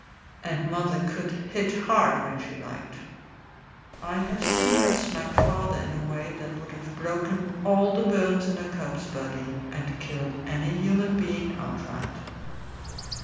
And mother could hit hard when she liked. I have seen her smack father in a way that would have broken all the bones in a cub's body, and killed any human being outright.